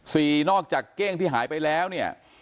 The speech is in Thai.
นอกจากเก้งที่หายไปแล้วเนี่ย